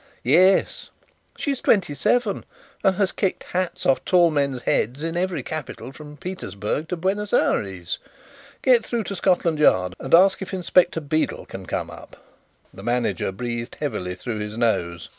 "Yes. She is twenty seven and has kicked hats off tall men's heads in every capital from Petersburg to Buenos Ayres! Get through to Scotland Yard and ask if Inspector Beedel can come up." The manager breathed heavily through his nose.